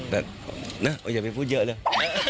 แต่นะอย่าไปพูดเยอะเลย